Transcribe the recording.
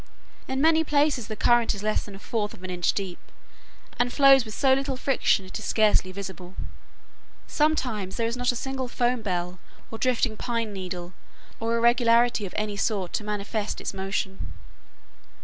In many places the current is less than a fourth of an inch deep, and flows with so little friction it is scarcely visible. Sometimes there is not a single foam bell, or drifting pine needle, or irregularity of any sort to manifest its motion.